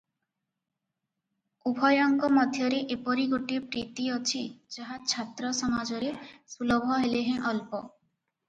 ଉଭୟଙ୍କ ମଧ୍ୟରେ ଏପରି ଗୋଟିଏ ପ୍ରୀତି ଅଛି, ଯାହା ଛାତ୍ର ସମାଜରେ ସୁଲଭ ହେଲେହେଁ ଅଳ୍ପ ।